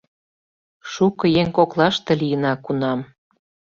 «Шуко еҥ коклаште лийына кунам...»